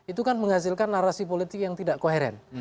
itu kan menghasilkan narasi politik yang tidak koheren